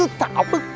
ini tidak baik